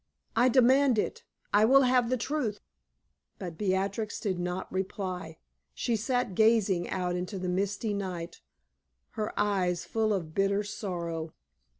I demand it! I will have the truth!" But Beatrix did not reply. She sat gazing out into the misty night, her eyes full of bitter sorrow.